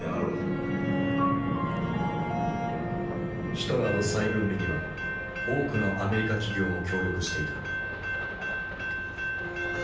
ヒトラーの再軍備には多くのアメリカ企業も協力していた。